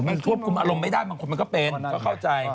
มันควบคุมอารมณ์ไม่ได้บางคนมันก็เป็นก็เข้าใจ